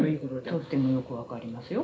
とってもよく分かりますよ